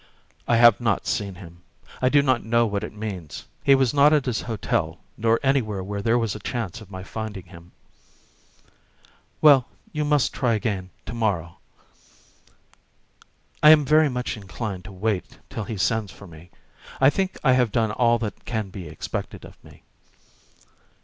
"I have not seen him. I do not know what it means. He was not at his hotel, nor anywhere where there was a chance of my finding him." "Well, you must try again to morrow." "I am very much inclined to wait till he sends for me. I think I have done all that can be expected of me."